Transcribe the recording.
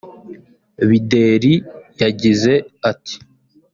Bideri yagize ati